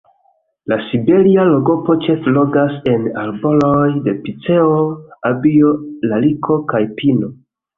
La Siberia lagopo ĉefe loĝas en arbaroj de piceo, abio, lariko kaj pino.